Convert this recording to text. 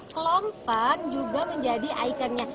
klompen juga menjadi ikonnya